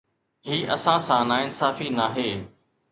هي اسان سان ناانصافي ناهي.